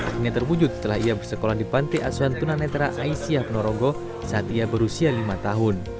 ini terwujud setelah ia bersekolah di pantai asuhan tunanetra aisyah ponorogo saat ia berusia lima tahun